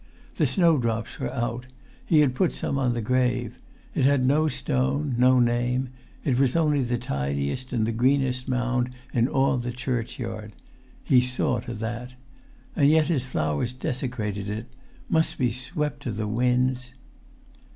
The snowdrops were out; he had put some on the grave. It had no stone, no name. It was only the tidiest and the greenest mound in all the churchyard. He saw to that. And yet his flowers desecrated it; must be swept to the winds